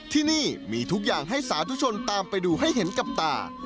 ที่นี่มีทุกอย่างให้สาธุชนตามไปดูให้เห็นกับตา